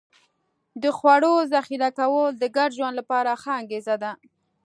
د خوړو ذخیره کول د ګډ ژوند لپاره ښه انګېزه ده.